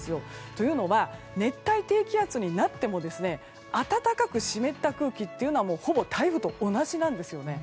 というのは熱帯低気圧になっても暖かく湿った空気っていうのはほぼ台風と同じなんですよね。